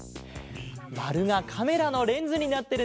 まるがカメラのレンズになってるね！